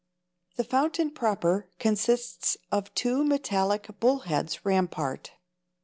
The fountain proper consists of two metallic bullheads rampart.